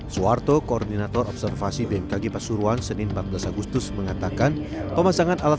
suharto koordinator observasi bmkg pasuruan senin empat belas agustus mengatakan pemasangan alat